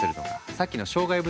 さっきの障害物